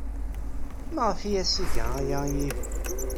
Maɣef ay as-iga aya i Yidir?